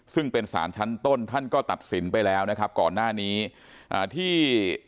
ซึ่งเป็นสารชั้นต้นท่านก็ตัดสินไปแล้วนะครับก่อนหน้านี้อ่าที่